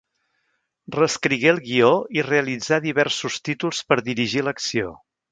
Reescrigué el guió i realitzà diversos títols per dirigir l'acció.